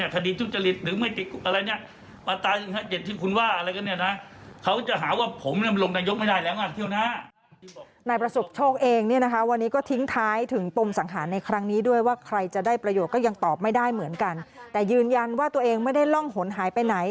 เขาบอกว่าทุจริทฯทดีจิตทุจริทหรือไม่ติด